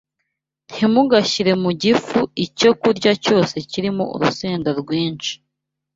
ntimugashyire mu gifu icyokurya cyose kirimo urusenda rwinshi